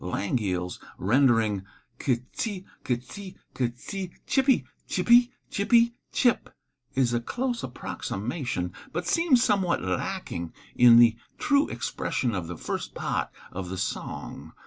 Langille's rendering: "Ke tsee, ke tsee, ke tsee, chip ee, chip ee, chip ee, chip," is a close approximation, but seems somewhat lacking in the true expression of the first part of the song.